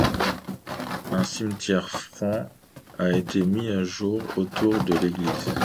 Un cimetière franc a été mis au jour autour de l'église.